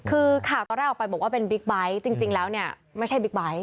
คือข่าวตอนแรกออกไปบอกว่าเป็นบิ๊กไบท์จริงแล้วเนี่ยไม่ใช่บิ๊กไบท์